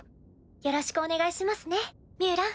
よろしくお願いしますねミュウラン。